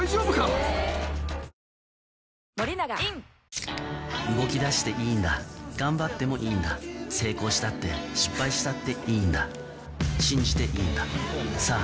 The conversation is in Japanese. プシュ動き出していいんだ頑張ってもいいんだ成功したって失敗したっていいんだ信じていいんださぁ